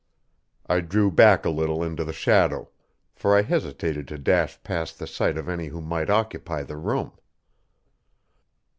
I drew back a little into the shadow, for I hesitated to dash past the sight of any who might occupy the room.